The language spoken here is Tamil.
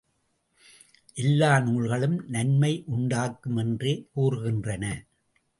எல்லா நூல்களும் நன்மை உண்டாக்கும் என்றே கூறுகின்றன.